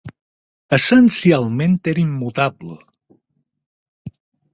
Essencialment era immutable.